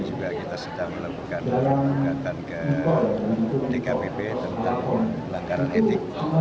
juga kita sedang melakukan gugatan ke dkpp tentang pelanggaran etik